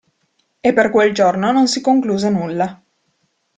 E per quel giorno non si concluse nulla.